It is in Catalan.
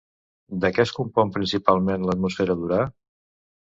De què es compon principalment l'atmosfera d'Urà?